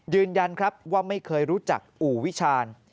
ยืนยันครับว่าไม่เคยรู้จักอู่วิชาญ